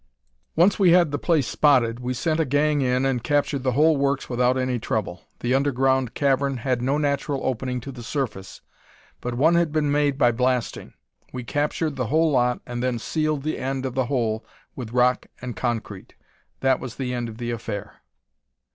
"Once we had the place spotted, we sent a gang in and captured the whole works without any trouble. The underground cavern had no natural opening to the surface, but one had been made by blasting. We captured the whole lot and then sealed the end of the hole with rock and concrete. That was the end of the affair."